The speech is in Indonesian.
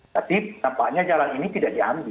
tapi nampaknya jalan ini tidak diambil